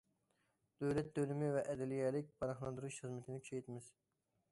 دۆلەت تۆلىمى ۋە ئەدلىيەلىك پاناھلاندۇرۇش خىزمىتىنى كۈچەيتىمىز.